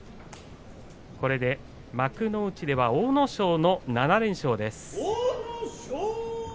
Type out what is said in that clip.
これで幕内では阿武咲の７連勝です。